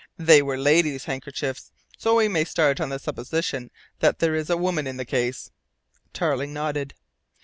They were ladies' handkerchiefs, so we may start on the supposition that there is a woman in the case." Tarling nodded.